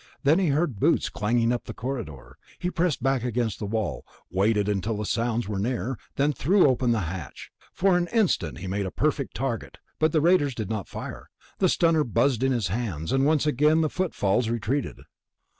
Then he heard boots clanging up the other corridor. He pressed back against the wall, waited until the sounds were near, then threw open the hatch. For an instant he made a perfect target, but the raiders did not fire. The stunner buzzed in his hand, and once again the footfalls retreated.